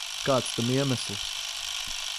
Kāds tam iemesls?